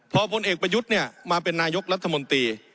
พอพลเอกประยุทธ์เนี่ยมาเป็นนายกรัฐมนตรี